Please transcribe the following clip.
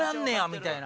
みたいな。